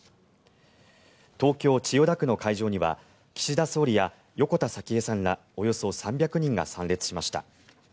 東京・千代田区の会場には岸田総理や横田早紀江さんらおよそ３００人が参列しました。